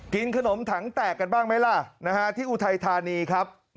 กินขนมถังแตกกันบ้างไหมล่ะที่อุทัยธานีครับ